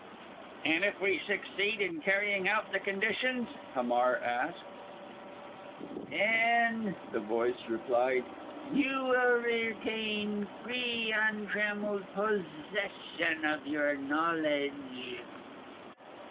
"And if we succeed in carrying out the conditions?" Hamar asked. [Illustration: THE INITIATION] "Then," the voice replied, "you will retain free, untrammelled possession of your knowledge."